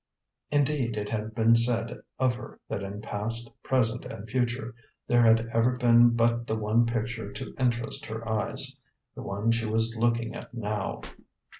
Indeed, it had been said of her that in past, present, and future there had ever been but the one picture to interest her eyes the one she was looking at now.